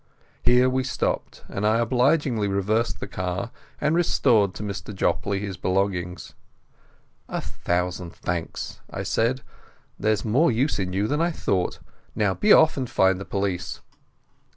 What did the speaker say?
Here we stopped, and I obligingly reversed the car and restored to Mr Jopley his belongings. "A thousand thanks," I said. "There's more use in you than I thought. Now be off and find the police."